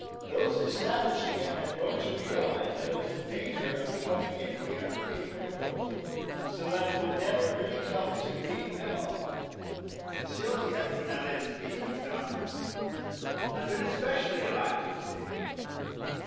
Those establishing it had grown to realize that it was in danger of becoming a mere paper court, so that it would never really come into being at all. M. d'Estournelles de Constant had been especially alive to this danger.